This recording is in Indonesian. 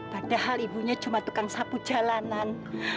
padahal ibunya cuma tukang sapu jalanan